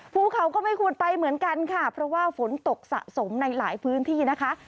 ภูเขาก็ไม่ควรไปเหมือนกันค่ะเพราะว่าฝนตกสะสมในหลายพื้นที่นะคะ